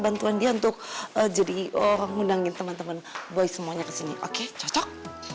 bantuan dia untuk jadi orang undang undang teman teman boy semuanya di sini oke cocok